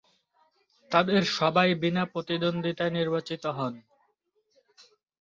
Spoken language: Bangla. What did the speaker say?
তাদের সবাই-ই বিনা প্রতিদ্বন্দ্বিতায় নির্বাচিত হন।